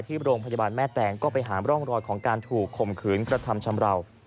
ที่โรงพยาบาลแม่แตงก็ไปหาร่องรอยของการถูกข่มขืนกระทำชำราว